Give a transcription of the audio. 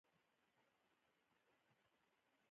لکه یو خوږ خوب چې مې لیدی.